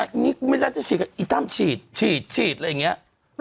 ฉีดอะไรอย่างเงี้ย